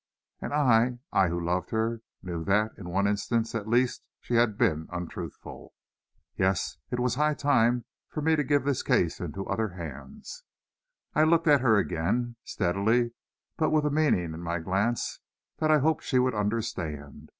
And I, I who loved her, knew that, in one instance, at least, she had been untruthful. Yes, it was high time for me to give this case into other hands. I looked at her again, steadily but with a meaning in my glance that I hoped she would understand.